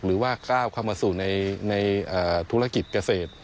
หรือว่าก้าวเข้ามาสู่ในธุรกิจเกษตร